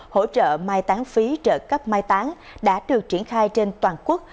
hỗ trợ mai tán phí trợ cấp mai tán đã được triển khai trên toàn quốc